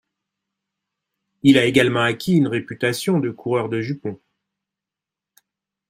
Il a également acquis une réputation de coureur de jupons.